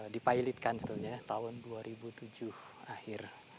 dipilotkan sebetulnya tahun dua ribu tujuh akhir